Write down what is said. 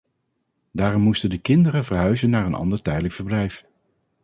Daarom moesten de kinderen verhuizen naar een ander tijdelijk verblijf.